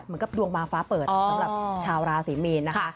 เหมือนกับดวงบางฟ้าเปิดสำหรับชาวราศรีมีนนะคะ